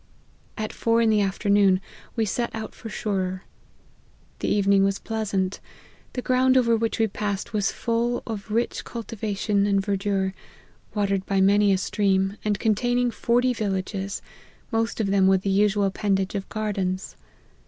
At four in the afternoon we set out for Shurror. The evening was pleasant ; the ground over which we passed was full of rich cultivation and verdure, watered by many a stream, and containing forty villages, most of them with the usual appendage of gardens.